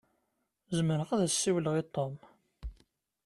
Zemreɣ ad as-siwleɣ i Tom.